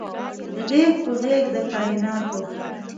غیږ په غیږ د کائیناتو